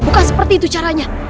bukan seperti itu caranya